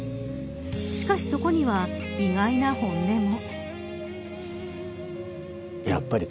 しかし、そこには意外な本音も。